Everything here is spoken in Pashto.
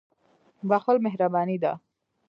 • بخښل مهرباني ده.